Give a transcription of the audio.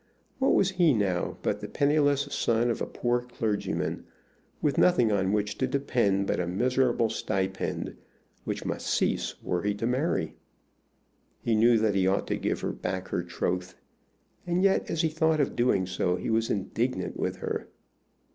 What was he now but the penniless son of a poor clergyman, with nothing on which to depend but a miserable stipend, which must cease were he to marry? He knew that he ought to give her back her troth; and yet, as he thought of doing so, he was indignant with her.